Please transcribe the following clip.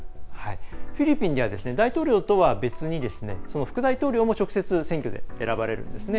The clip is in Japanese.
フィリピンでは、大統領とは別にその副大統領も直接、選挙で選ばれるんですね。